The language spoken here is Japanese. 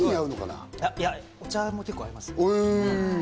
お茶も結構、合いますよ。